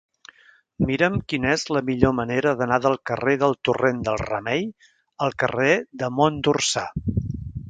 Mira'm quina és la millor manera d'anar del carrer del Torrent del Remei al carrer de Mont d'Orsà.